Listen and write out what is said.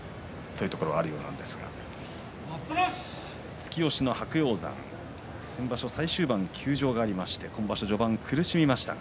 突き押しの白鷹山最終盤、休場がありまして苦しみました。